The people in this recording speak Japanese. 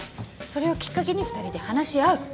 それをきっかけに２人で話し合う。